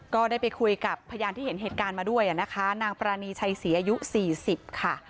ก็ได้ไปคุยกับพยานที่เห็นเหตุการณ์มาด้วยนะคะนางปรานีชัยศรีอายุ๔๐ค่ะ